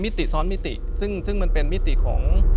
ติซ้อนมิติซึ่งมันเป็นมิติของ